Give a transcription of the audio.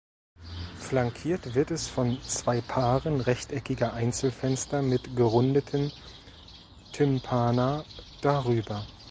Flankiert wird es von zwei Paaren rechteckiger Einzelfenster mit gerundeten Tympana darüber.